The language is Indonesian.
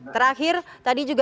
baik pak asro